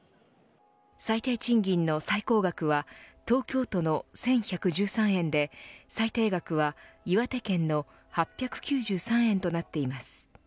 最低賃金の最高額は東京都の１１１３円で最低額は岩手県の８９３円となっています。